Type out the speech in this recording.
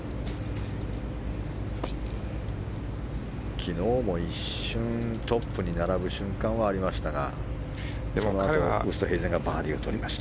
昨日も一瞬トップに並ぶ瞬間はありましたがそのあとはウーストヘイゼンがバーディーを取りました。